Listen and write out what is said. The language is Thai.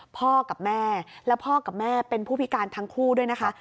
พ่อกับแม่แล้วพ่อกับแม่เป็นผู้พิการทั้งคู่ด้วยนะคะ